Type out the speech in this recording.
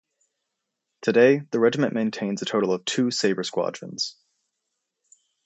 Today, the regiment maintains a total of two Sabre squadrons.